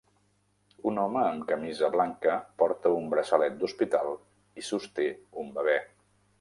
Un home amb camisa blanca porta un braçalet d'hospital i sosté un bebè